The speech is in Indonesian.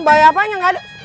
bahaya apaan yang gak ada